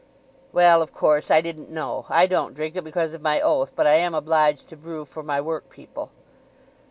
"Well, of course, I didn't know. I don't drink it because of my oath, but I am obliged to brew for my work people."